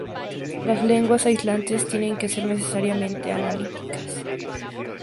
Las lenguas aislantes tienen que ser necesariamente analíticas.